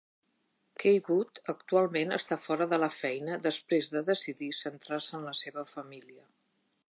Cawood actualment està fora de la feina després de decidir centrar-se en la seva família.